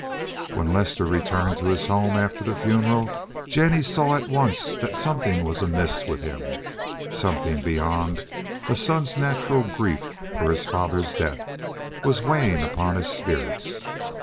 When Lester returned to his home, after the funeral, Jennie saw at once that something was amiss with him, something beyond a son's natural grief for his father's death was weighing upon his spirits.